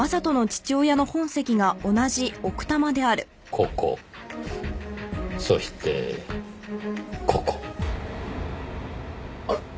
ここそしてここ。あっ！